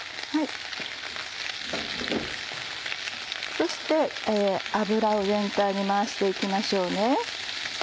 そして油を全体に回していきましょう。